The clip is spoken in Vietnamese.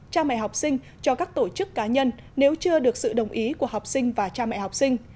cha mẹ học sinh cho các tổ chức cá nhân nếu chưa được sự đồng ý của học sinh và cha mẹ học sinh